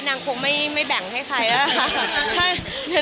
นางคงไม่แบ่งให้ใครนะคะ